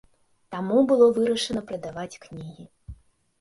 Таму было вырашана прадаваць кнігі.